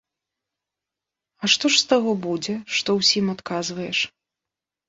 А што ж з таго будзе, што ўсім адказваеш?